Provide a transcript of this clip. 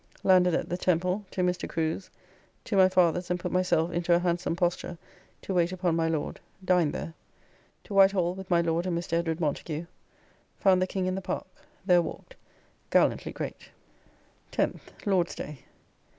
Landed at the Temple. To Mr. Crew's. To my father's and put myself into a handsome posture to wait upon my Lord, dined there. To White Hall with my Lord and Mr. Edwd. Montagu. Found the King in the Park. There walked. Gallantly great. 10th. (Lord's day.)